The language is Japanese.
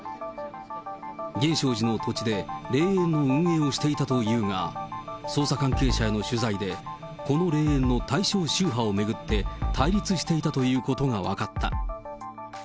源証寺の土地で霊園の運営をしていたというが、捜査関係者への取材で、この霊園の対象宗派を巡って対立していたということが分かった。